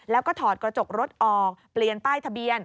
แล้วก็ถอดกระจกรถออกเปลี่ยนป้ายทะเบียน